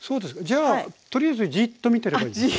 じゃあとりあえずじっと見てればいいですか？